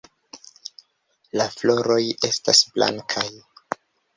La floroj estas blankaj.